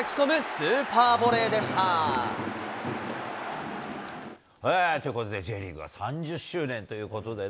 スーパーボレーでしということで、Ｊリーグは３０周年ということでね。